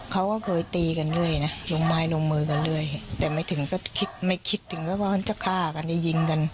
เขาก็เคยตีกันเรื่อยนะลงไม้ลงมือกันเรื่อยแต่ไม่คิดถึงว่าจะฆ่ากันจะยิงกัน